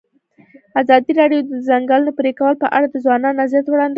ازادي راډیو د د ځنګلونو پرېکول په اړه د ځوانانو نظریات وړاندې کړي.